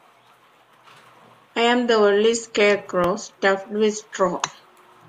I am only a Scarecrow, stuffed with straw.